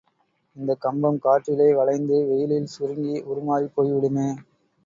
இந்தக் கம்பம் காற்றிலே வளைந்து வெயிலில் சுருங்கி உருமாறிப் போய்விடுமே!